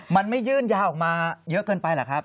มันไม่ยื่นยาออกมาเยอะเกินไปเหรอครับ